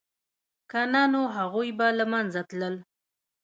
که نه نو هغوی به له منځه تلل